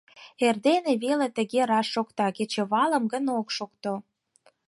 Эрдене веле тыге раш шокта, кечывалым гын ок шокто.